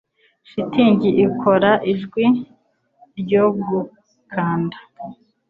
shitingi ikora ijwi ryo gukanda